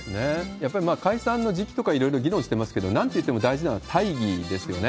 やっぱり解散の時期とかいろいろ議論してますけど、なんといっても大事なのは大儀ですよね。